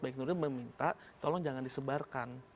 baik nuril meminta tolong jangan disebarkan